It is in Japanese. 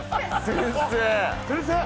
先生！